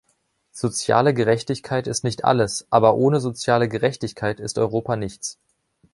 Soziale Gerechtigkeit ist nicht alles, aber ohne soziale Gerechtigkeit ist Europa nichts!